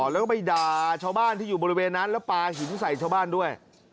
แล้วก็ไปด่าชาวบ้านที่อยู่บริเวณนั้นแล้วปลาหินใส่ชาวบ้านด้วย